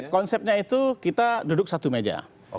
konsepnya itu kita duduk satu meja